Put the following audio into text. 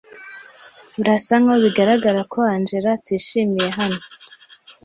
Birasa nkaho bigaragara ko Angella atishimiye hano.